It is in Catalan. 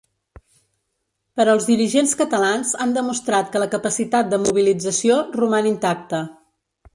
Però els dirigents catalans han demostrat que la capacitat de mobilització roman intacta.